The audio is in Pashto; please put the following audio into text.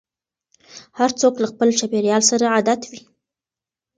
هر څوک له خپل چاپېريال سره عادت وي.